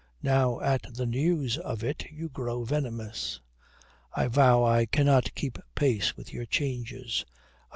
Now at the news of it you grow venomous. I vow I cannot keep pace with your changes.